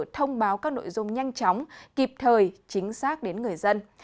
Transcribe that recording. thông báo các nội dung nhanh chóng kịp thời chính xác đến người dân